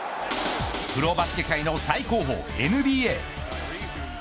プロバスケ界の最高峰ＮＢＡ。